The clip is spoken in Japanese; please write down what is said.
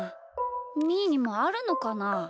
みーにもあるのかな？